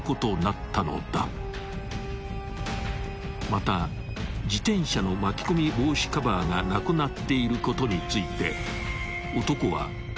［また自転車の巻き込み防止カバーがなくなっていることについて男は］